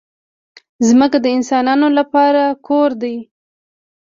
ځمکه د انسانانو لپاره کور دی.